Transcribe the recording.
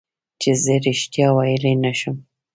چې زه رښتیا ویلی نه شم.